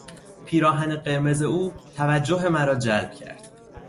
پیراهن قرمز او توجه مرا جلب کرد.